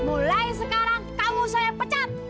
mulai sekarang kamu saya pecat